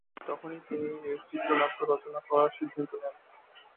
তখনই তিনি এর চিত্রনাট্য রচনা করার সিদ্ধান্ত নেন।